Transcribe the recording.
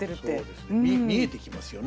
見えてきますよね。